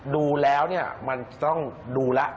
ดูแล้วมันต้องดูล่ะ